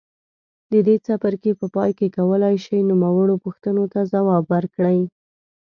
د دې څپرکي په پای کې کولای شئ نوموړو پوښتنو ته ځواب ورکړئ.